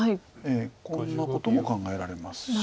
こんなことも考えられますし。